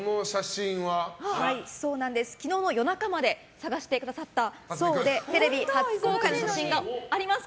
昨日の夜中まで探してくださったそうでテレビ初公開の写真があります。